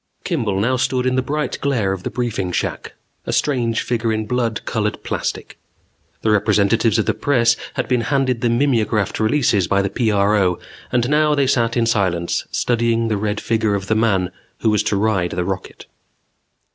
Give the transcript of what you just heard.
_Kimball stood now in the bright glare of the briefing shack, a strange figure in blood colored plastic. The representatives of the press had been handed the mimeographed releases by the PRO and now they sat in silence, studying the red figure of the man who was to ride the rocket.